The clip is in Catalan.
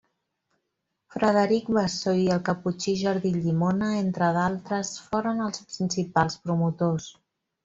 Frederic Bassó i el caputxí Jordi Llimona entre d'altres foren els principals promotors.